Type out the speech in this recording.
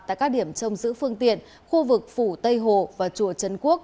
tại các điểm trông giữ phương tiện khu vực phủ tây hồ và chùa trân quốc